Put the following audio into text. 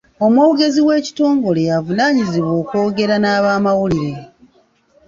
Omwogezi w'ekitongole y'avunaanyizibwa okwogera n'abamawulire.